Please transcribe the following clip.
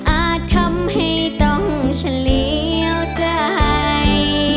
อาจทำให้ต้องเฉลี่ยวใจ